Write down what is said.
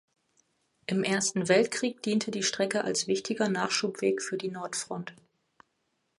Im Ersten Weltkrieg diente die Strecke als wichtiger Nachschubweg für die Nordfront.